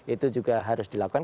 itu juga harus dilakukan